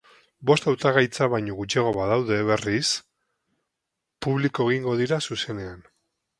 Bost hautagaitza baino gutxiago badaude, berriz, publiko egingo dira zuzenean.